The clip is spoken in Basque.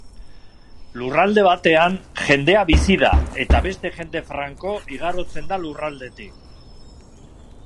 Lurralde batean jendea bizi da, eta beste jende franko igarotzen da lurraldetik.